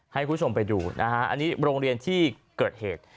ให้คุณผู้ชมไปดูนะฮะอันนี้โรงเรียนที่เกิดเหตุ